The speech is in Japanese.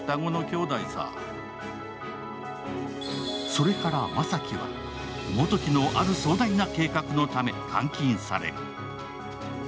それから雅樹は、基樹のある壮大な計画のため監禁される。